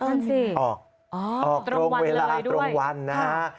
เอิ้นสิตรงวันเลยด้วยออกตรงเวลาตรงวันนะฮะ